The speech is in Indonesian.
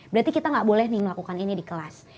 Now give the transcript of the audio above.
berarti kita nggak boleh nih melakukan ini di kelas